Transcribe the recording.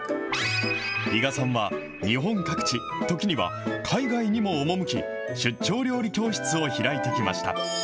伊賀さんは日本各地、時には海外にも赴き、出張料理教室を開いてきました。